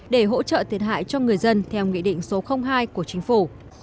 để hỗ trợ thiệt hại cho người dân theo nghị định số hai của chính phủ